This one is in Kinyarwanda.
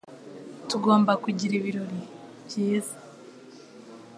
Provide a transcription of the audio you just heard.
Tugomba kugira ibirori, byiza .